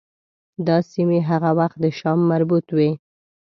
دا سیمې هغه وخت د شام مربوط وې.